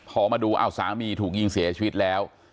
พอมาดูอ้าวสามีถูกยิงเสียชีวิตแล้ว